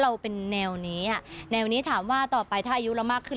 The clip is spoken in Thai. เราเป็นแนวนี้อ่ะแนวนี้ถามว่าต่อไปถ้าอายุเรามากขึ้น